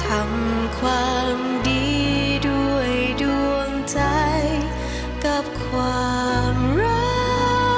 ทำความดีด้วยดวงใจกับความรัก